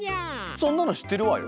そんなの知ってるわよ。